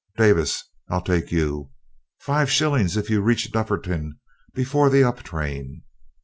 Davis, I'll take you. Five shillings if you reach Dufferton before the up train.